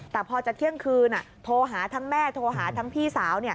แต่พอจะเที่ยงคืนโทรหาทั้งแม่โทรหาทั้งพี่สาว